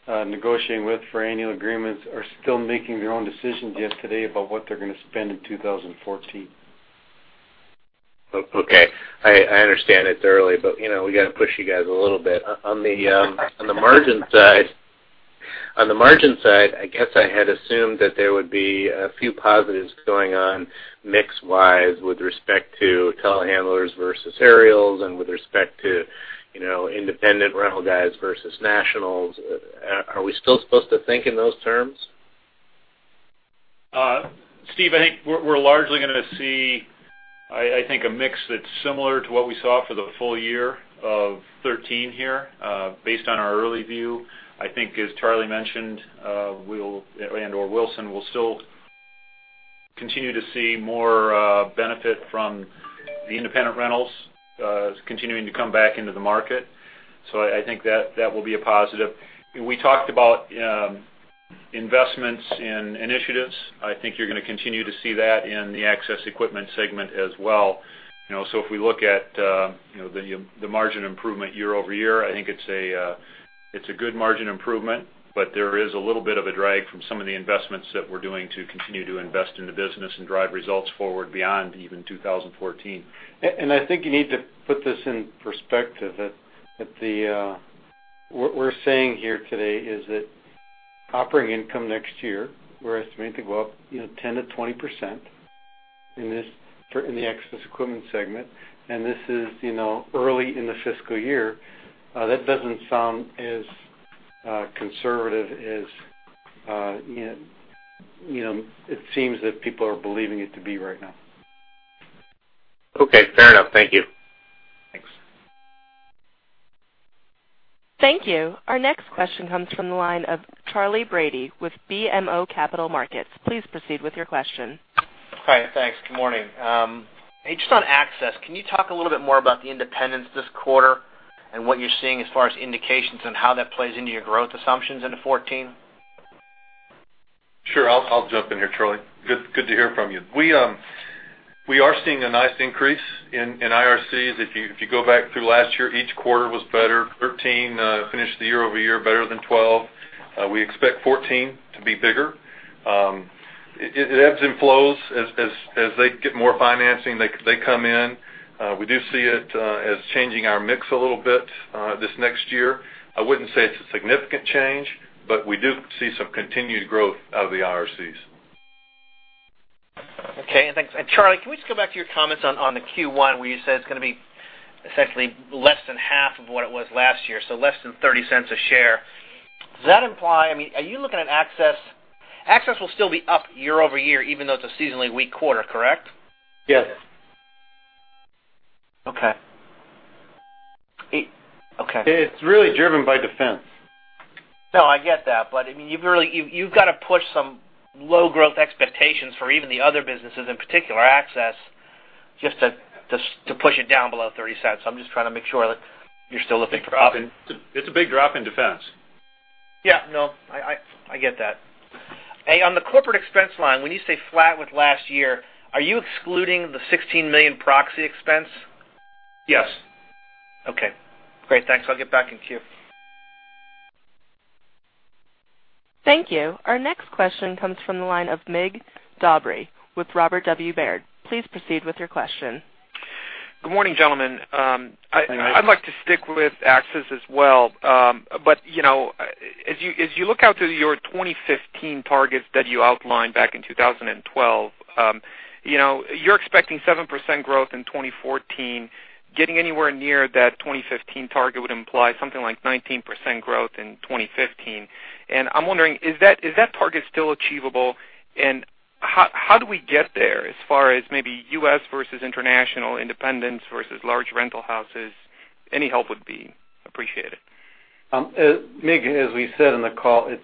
negotiating with for annual agreements are still making their own decisions yet today about what they're gonna spend in 2014. Okay. I understand it's early, but you know, we got to push you guys a little bit. On the margin side, on the margin side, I guess I had assumed that there would be a few positives going on, mix-wise, with respect to telehandlers versus aerials and with respect to you know, independent rental guys versus nationals. Are we still supposed to think in those terms? Steve, I think we're largely gonna see, I think, a mix that's similar to what we saw for the full year of 2013 here, based on our early view. I think, as Charlie mentioned, we'll and/or Wilson, we'll still continue to see more benefit from the independent rentals continuing to come back into the market. So I think that will be a positive. We talked about investments in initiatives. I think you're gonna continue to see that in the Access equipment segment as well. You know, so if we look at, you know, the, the margin improvement year-over-year, I think it's a, it's a good margin improvement, but there is a little bit of a drag from some of the investments that we're doing to continue to invest in the business and drive results forward beyond even 2014. And I think you need to put this in perspective, that the What we're saying here today is that operating income next year, we're estimating to go up, you know, 10%-20% in the Access equipment segment, and this is, you know, early in the fiscal year. That doesn't sound as conservative as, you know, it seems that people are believing it to be right now. Okay. Fair enough. Thank you. Thanks. Thank you. Our next question comes from the line of Charlie Brady with BMO Capital Markets. Please proceed with your question. Hi, and thanks. Good morning. Just on Access, can you talk a little bit more about the independents this quarter and what you're seeing as far as indications on how that plays into your growth assumptions into 2014? Sure, I'll jump in here, Charlie. Good to hear from you. We are seeing a nice increase in IRCs. If you go back through last year, each quarter was better. 2013 finished the year-over-year better than 2012. We expect 2014 to be bigger. It ebbs and flows. As they get more financing, they come in. We do see it as changing our mix a little bit this next year. I wouldn't say it's a significant change, but we do see some continued growth out of the IRCs. Okay. And thanks. And Charlie, can we just go back to your comments on the Q1, where you said it's gonna be essentially less than half of what it was last year, so less than $0.30 a share. Does that imply... I mean, are you looking at Access... Access will still be up year-over-year, even though it's a seasonally weak quarter, correct? Yes. Okay. Okay. It's really driven by defense. No, I get that. But, I mean, you've really, you've got to push some low growth expectations for even the other businesses, in particular, Access, just to, just to push it down below $0.30. I'm just trying to make sure that you're still looking for up. It's a big drop in defense. Yeah, no, I get that. Hey, on the corporate expense line, when you say flat with last year, are you excluding the $16 million proxy expense? Yes. Okay, great. Thanks. I'll get back in queue. Thank you. Our next question comes from the line of Mig Dobre with Robert W. Baird. Please proceed with your question. Good morning, gentlemen. Good morning. I'd like to stick with Access as well. But, you know, as you, as you look out to your 2015 targets that you outlined back in 2012, you know, you're expecting 7% growth in 2014. Getting anywhere near that 2015 target would imply something like 19% growth in 2015. And I'm wondering: Is that, is that target still achievable? And how, how do we get there as far as maybe US versus international, independents versus large rental houses? Any help would be appreciated. Mig, as we said in the call, it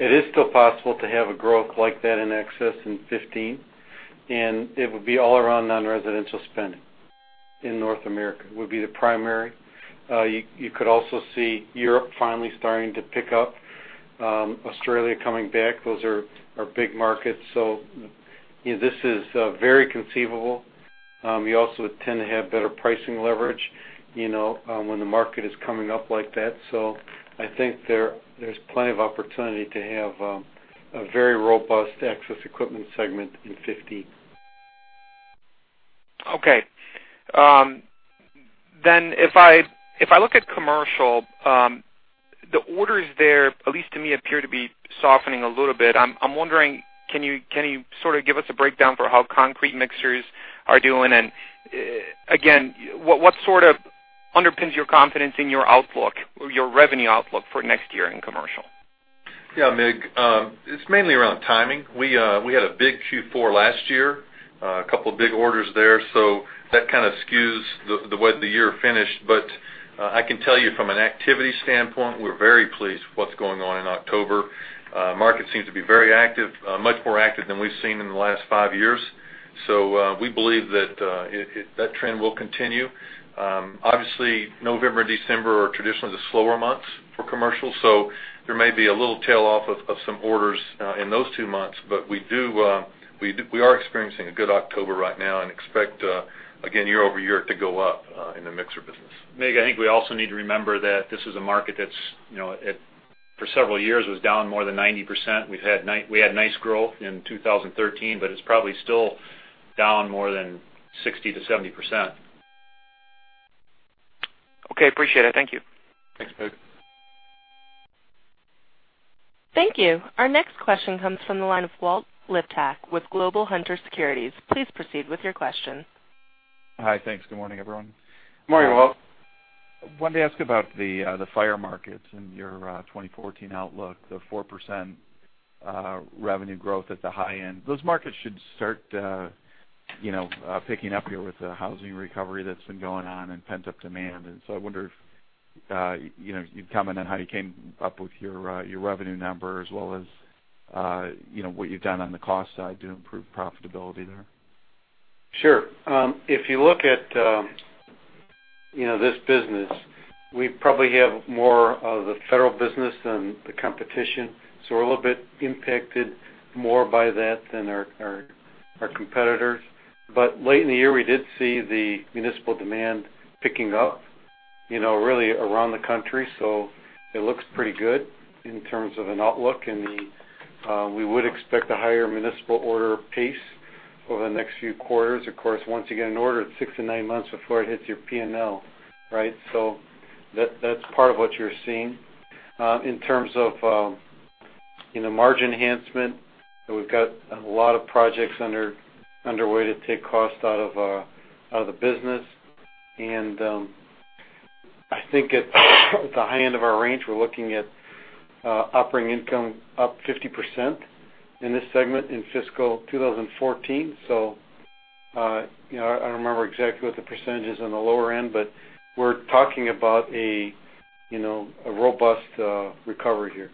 is still possible to have a growth like that in Access in 2015, and it would be all around non-residential spending in North America, would be the primary. You could also see Europe finally starting to pick up, Australia coming back. Those are big markets. So, you know, this is very conceivable. We also tend to have better pricing leverage, you know, when the market is coming up like that. So I think there's plenty of opportunity to have a very robust Access equipment segment in 2015. Okay. Then, if I look at commercial, the orders there, at least to me, appear to be softening a little bit. I'm wondering: Can you sort of give us a breakdown for how concrete mixers are doing? And, again, what sort of underpins your confidence in your outlook, or your revenue outlook for next year in commercial? Yeah, Mig, it's mainly around timing. We, we had a big Q4 last year, a couple of big orders there, so that kind of skews the way the year finished. But, I can tell you from an activity standpoint, we're very pleased with what's going on in October. Market seems to be very active, much more active than we've seen in the last five years. So, we believe that it, that trend will continue. Obviously, November and December are traditionally the slower months for commercial, so there may be a little tail off of some orders in those two months. But we do, we do—we are experiencing a good October right now and expect, again, year-over-year to go up in the mixer business. Mig, I think we also need to remember that this is a market that's, you know, it, for several years, was down more than 90%. We've had—we had nice growth in 2013, but it's probably still down more than 60%-70%. Okay. Appreciate it. Thank you. Thanks, Mig. Thank you. Our next question comes from the line of Walt Liptak with Global Hunter Securities. Please proceed with your question. Hi, thanks. Good morning, everyone. Good morning, Walt. Wanted to ask about the fire markets and your 2014 outlook, the 4% revenue growth at the high end. Those markets should start picking up here with the housing recovery that's been going on and pent-up demand. And so I wonder if you know, you'd comment on how you came up with your revenue number, as well as you know, what you've done on the cost side to improve profitability there? Sure. If you look at, you know, this business, we probably have more of the federal business than the competition, so we're a little bit impacted more by that than our competitors. But late in the year, we did see the municipal demand picking up, you know, really around the country, so it looks pretty good in terms of an outlook. And we would expect a higher municipal order pace over the next few quarters. Of course, once you get an order, it's six to nine months before it hits your P&L, right? So that's part of what you're seeing. In terms of, you know, margin enhancement, we've got a lot of projects underway to take costs out of the business. I think at the high end of our range, we're looking at operating income up 50% in this segment in fiscal 2014. You know, I don't remember exactly what the percentage is on the lower end, but we're talking about a you know a robust recovery here.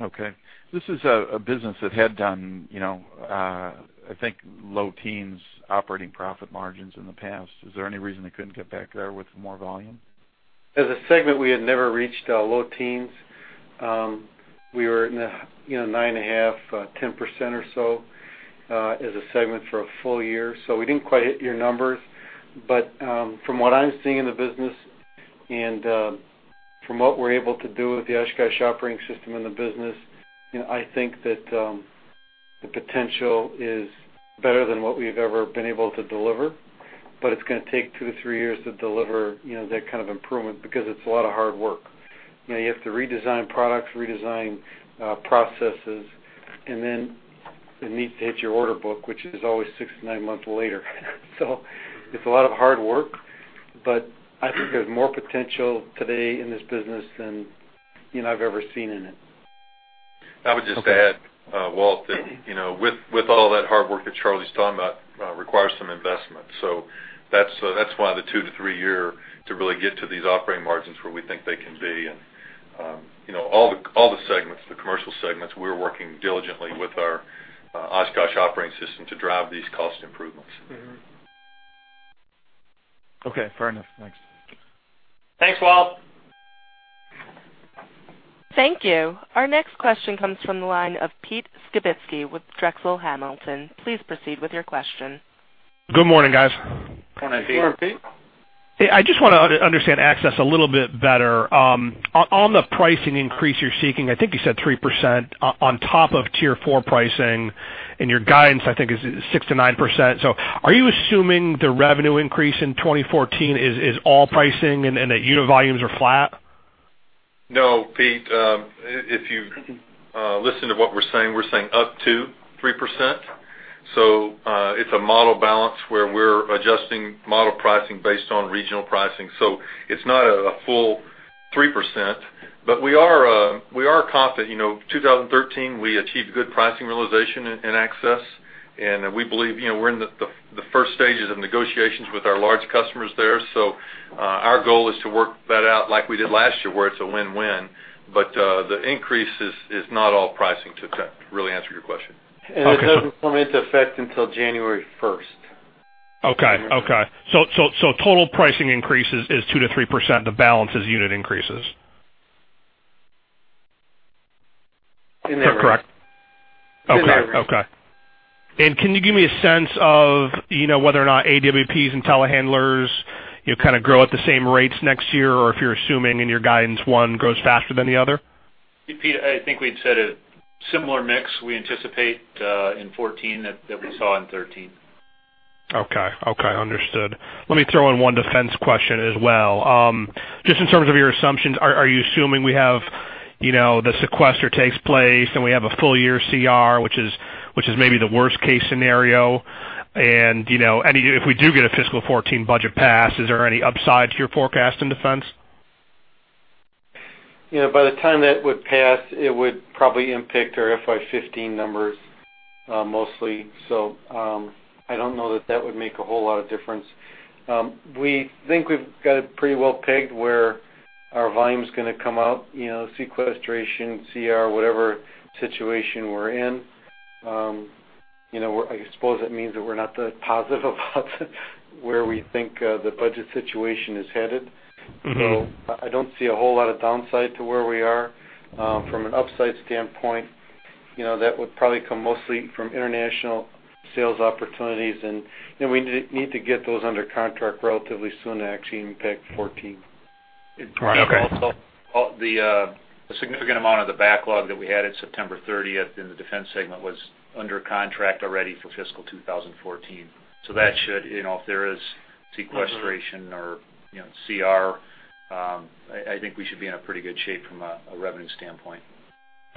Okay. This is a business that had done, you know, I think, low teens operating profit margins in the past. Is there any reason it couldn't get back there with more volume? As a segment, we had never reached low teens. We were in a, you know, 9.5, 10% or so, as a segment for a full year, so we didn't quite hit your numbers. But, from what I'm seeing in the business and, from what we're able to do with the Oshkosh Operating System in the business, you know, I think that, the potential is better than what we've ever been able to deliver, but it's gonna take two to three years to deliver, you know, that kind of improvement because it's a lot of hard work. You know, you have to redesign products, redesign, processes, and then it needs to hit your order book, which is always six to nine months later. It's a lot of hard work, but I think there's more potential today in this business than, you know, I've ever seen in it. I would just add, Walt, that, you know, with all that hard work that Charlie's talking about, requires some investment. So that's why the two to three-year to really get to these operating margins where we think they can be. And, you know, all the segments, the commercial segments, we're working diligently with our Oshkosh Operating System to drive these cost improvements. Mm-hmm. Okay, fair enough. Thanks. Thanks, Walt. Thank you. Our next question comes from the line of Pete Skibitski with Drexel Hamilton. Please proceed with your question. Good morning, guys. Good morning, Pete. Good morning, Pete. Hey, I just want to understand Access a little bit better. On the pricing increase you're seeking, I think you said 3% on top of Tier 4 pricing, and your guidance, I think, is 6%-9%. So are you assuming the revenue increase in 2014 is all pricing and that unit volumes are flat? No, Pete, if you listen to what we're saying, we're saying up to 3%. So, it's a model balance where we're adjusting model pricing based on regional pricing. So it's not a full 3%, but we are confident. You know, 2013, we achieved good pricing realization in Access, and we believe, you know, we're in the first stages of negotiations with our large customers there. So, our goal is to work that out like we did last year, where it's a win-win, but the increase is not all pricing to really answer your question. Okay. It doesn't go into effect until January first. Okay. So, total pricing increases is 2%-3%, the balance is unit increases? Isn't that correct? Okay. Okay. And can you give me a sense of, you know, whether or not AWPs and telehandlers, you know, kind of grow at the same rates next year, or if you're assuming in your guidance, one grows faster than the other? Pete, I think we'd said a similar mix. We anticipate, in 2014 that we saw in 2013. Okay. Okay, understood. Let me throw in one defense question as well. Just in terms of your assumptions, are you assuming we have, you know, the sequester takes place, and we have a full year CR, which is maybe the worst-case scenario? And, you know, and if we do get a fiscal 2014 budget pass, is there any upside to your forecast in defense? You know, by the time that would pass, it would probably impact our FY 2015 numbers, mostly. So, I don't know that that would make a whole lot of difference. We think we've got it pretty well pegged where our volume's gonna come out, you know, sequestration, CR, whatever situation we're in. You know, I suppose it means that we're not that positive about where we think the budget situation is headed. Mm-hmm. So I don't see a whole lot of downside to where we are. From an upside standpoint, you know, that would probably come mostly from international sales opportunities, and, you know, we need to get those under contract relatively soon to actually impact 2014. All right. Okay. Also, the significant amount of the backlog that we had at September 30th in the defense segment was under contract already for fiscal 2014. So that should, you know, if there is sequestration. Mm-hmm... or, you know, CR, I think we should be in a pretty good shape from a revenue standpoint....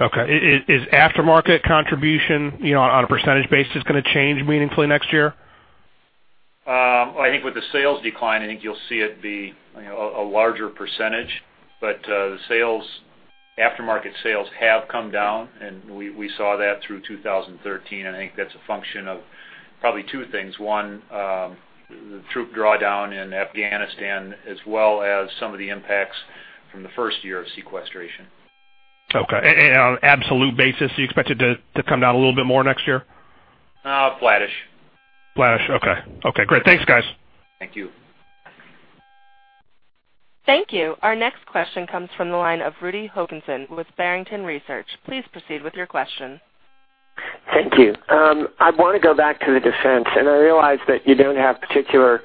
Okay. Is aftermarket contribution, you know, on a percentage basis, going to change meaningfully next year? I think with the sales decline, I think you'll see it be, you know, a larger percentage. But, the sales, aftermarket sales have come down, and we saw that through 2013. I think that's a function of probably two things. One, the troop drawdown in Afghanistan, as well as some of the impacts from the first year of sequestration. Okay. And on an absolute basis, do you expect it to come down a little bit more next year? Uh, flattish. Flattish. Okay. Okay, great. Thanks, guys. Thank you. Thank you. Our next question comes from the line of Rudy Hokanson with Barrington Research. Please proceed with your question. Thank you. I want to go back to the defense, and I realize that you don't have particular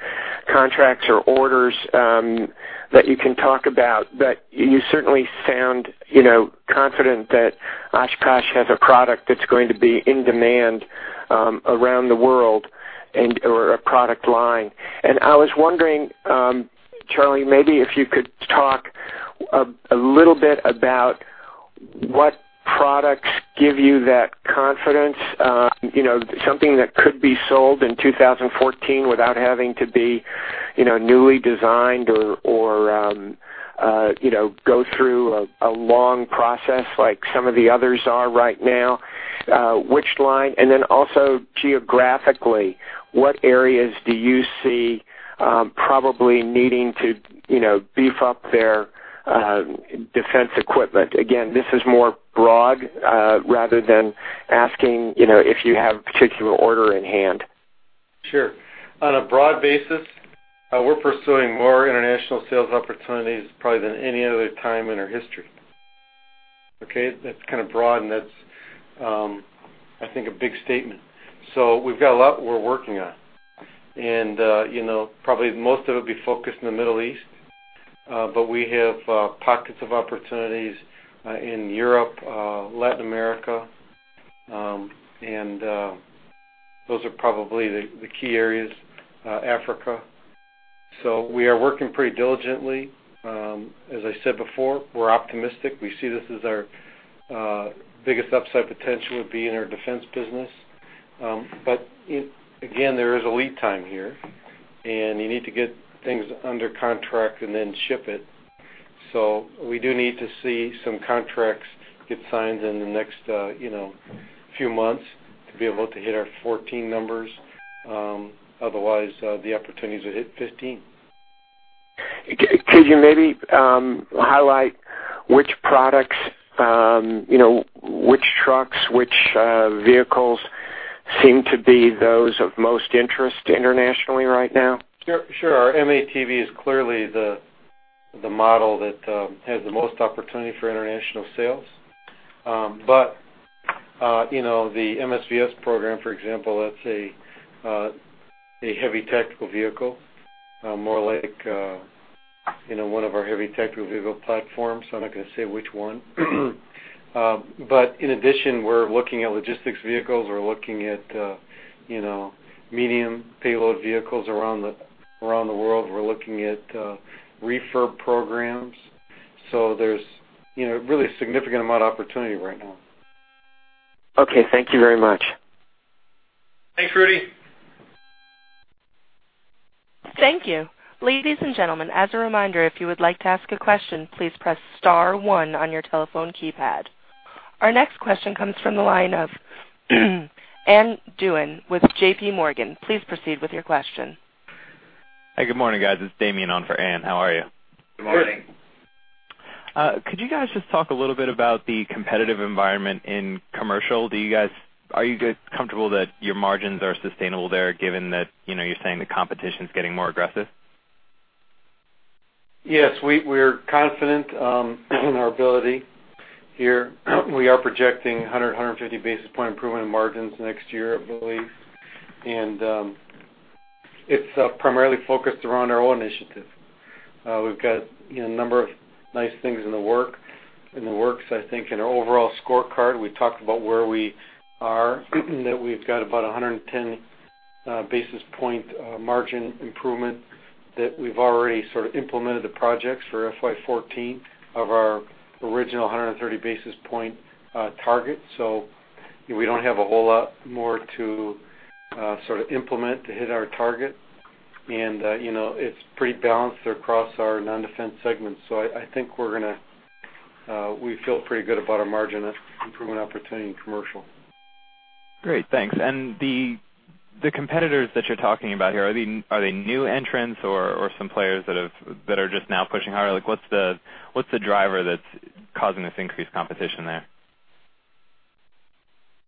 contracts or orders that you can talk about, but you certainly sound, you know, confident that Oshkosh has a product that's going to be in demand around the world, and, or a product line. And I was wondering, Charlie, maybe if you could talk a little bit about what products give you that confidence? You know, something that could be sold in 2014 without having to be, you know, newly designed or, or you know, go through a long process like some of the others are right now. Which line? And then also, geographically, what areas do you see probably needing to, you know, beef up their defense equipment? Again, this is more broad, rather than asking, you know, if you have a particular order in hand. Sure. On a broad basis, we're pursuing more international sales opportunities probably than any other time in our history. Okay, that's kind of broad, and that's, I think, a big statement. So we've got a lot we're working on. And, you know, probably most of it will be focused in the Middle East, but we have pockets of opportunities in Europe, Latin America, and those are probably the key areas, Africa. So we are working pretty diligently. As I said before, we're optimistic. We see this as our biggest upside potential would be in our defense business. But it, again, there is a lead time here, and you need to get things under contract and then ship it. We do need to see some contracts get signed in the next, you know, few months to be able to hit our 2014 numbers. Otherwise, the opportunities will hit 2015. Could you maybe highlight which products, you know, which trucks, which vehicles seem to be those of most interest internationally right now? Sure. Sure. Our M-ATV is clearly the model that has the most opportunity for international sales. But you know, the MSVS program, for example, that's a heavy tactical vehicle, more like you know, one of our heavy tactical vehicle platforms. I'm not going to say which one. But in addition, we're looking at logistics vehicles. We're looking at you know, medium payload vehicles around the world. We're looking at refurb programs. So there's you know, really a significant amount of opportunity right now. Okay, thank you very much. Thanks, Rudy. Thank you. Ladies and gentlemen, as a reminder, if you would like to ask a question, please press star one on your telephone keypad. Our next question comes from the line of Ann Duignan with J.P. Morgan. Please proceed with your question. Hi, good morning, guys. It's Damian on for Ann. How are you? Good morning. Good. Could you guys just talk a little bit about the competitive environment in commercial? Do you guys -- are you guys comfortable that your margins are sustainable there, given that, you know, you're saying the competition is getting more aggressive? Yes, we're confident in our ability here. We are projecting 150 basis point improvement in margins next year, I believe. And it's primarily focused around our O initiative. We've got, you know, a number of nice things in the works. I think in our overall scorecard, we talked about where we are, that we've got about 110 basis point margin improvement that we've already sort of implemented the projects for FY 2014 of our original 130 basis point target. So we don't have a whole lot more to sort of implement to hit our target. And you know, it's pretty balanced across our non-defense segments. So I think we're going to, we feel pretty good about our margin improvement opportunity in commercial. Great, thanks. And the competitors that you're talking about here, are they new entrants or some players that have—that are just now pushing harder? Like, what's the driver that's causing this increased competition there?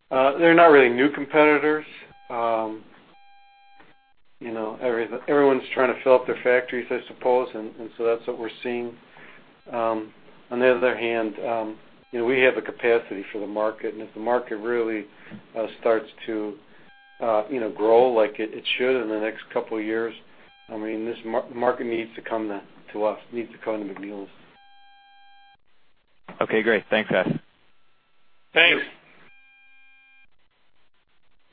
They're not really new competitors. You know, everyone's trying to fill up their factories, I suppose, and so that's what we're seeing. On the other hand, you know, we have the capacity for the market, and if the market really starts to, you know, grow like it should in the next couple of years, I mean, this market needs to come to us, needs to come to McNeilus. Okay, great. Thanks, guys. Thanks.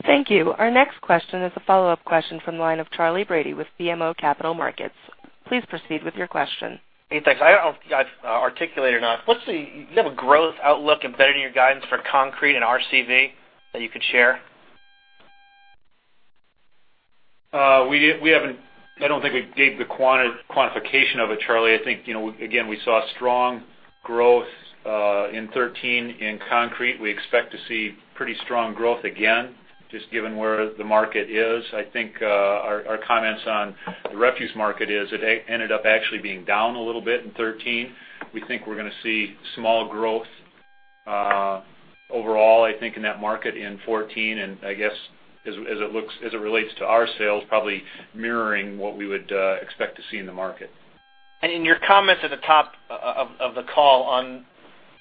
Thank you. Our next question is a follow-up question from the line of Charlie Brady with BMO Capital Markets. Please proceed with your question. Hey, thanks. I don't know if I've articulated or not. Do you have a growth outlook and better your guidance for concrete and RCV that you could share? We haven't. I don't think we gave the quantification of it, Charlie. I think, you know, again, we saw strong growth in 2013 in concrete. We expect to see pretty strong growth again, just given where the market is. I think our comments on the refuse market is, it actually ended up being down a little bit in 2013. We think we're gonna see small growth overall, I think, in that market in 2014, and I guess as it looks, as it relates to our sales, probably mirroring what we would expect to see in the market. In your comments at the top of the call on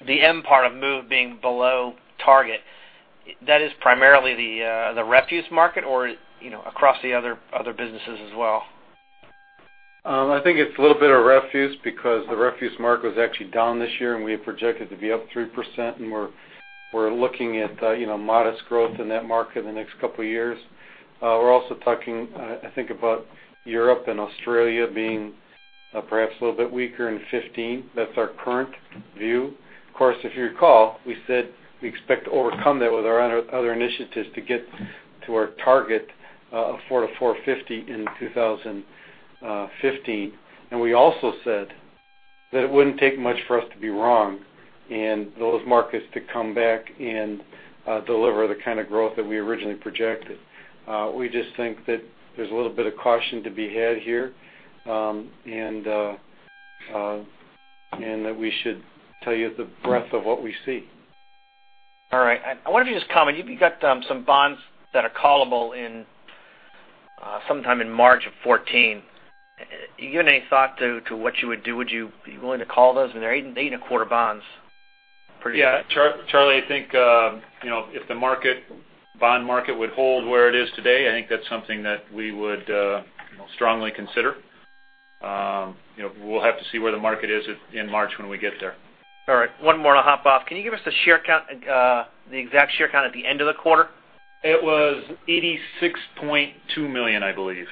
the M part of MOVE being below target, that is primarily the refuse market or, you know, across the other businesses as well? I think it's a little bit of refuse because the refuse market was actually down this year, and we had projected to be up 3%, and we're looking at, you know, modest growth in that market in the next couple of years. We're also talking, I think about Europe and Australia being perhaps a little bit weaker in 2015. That's our current view. Of course, if you recall, we said we expect to overcome that with our other initiatives to get to our target of $4-$4.50 in 2015. And we also said that it wouldn't take much for us to be wrong and those markets to come back and deliver the kind of growth that we originally projected. We just think that there's a little bit of caution to be had here, and that we should tell you the breadth of what we see. All right. I wonder if you just comment. You've got some bonds that are callable in sometime in March of 2014. Have you given any thought to what you would do? Would you be willing to call those, and they're 8.25 bonds? Yeah, Charlie, I think, you know, if the bond market would hold where it is today, I think that's something that we would strongly consider. You know, we'll have to see where the market is at in March when we get there. All right. One more, and I'll hop off. Can you give us the share count, the exact share count at the end of the quarter? It was 86.2 million, I believe.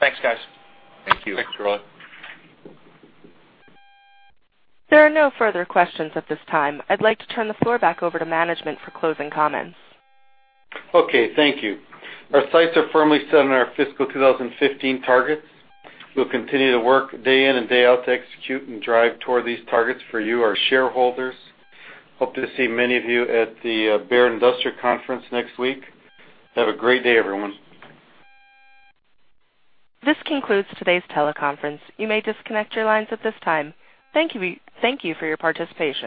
Thanks, guys. Thank you. Thanks, Charlie. There are no further questions at this time. I'd like to turn the floor back over to management for closing comments. Okay, thank you. Our sights are firmly set on our fiscal 2015 targets. We'll continue to work day in and day out to execute and drive toward these targets for you, our shareholders. Hope to see many of you at the Baird Industrial Conference next week. Have a great day, everyone. This concludes today's teleconference. You may disconnect your lines at this time. Thank you, thank you for your participation.